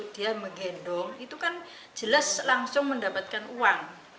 dia menggendong itu kan jelas langsung mendapatkan uang